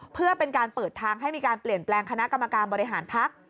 เพื่อเป็นการเปิดทางให้มีการเปลี่ยนแปลงคณะกรรมการบริหารพัก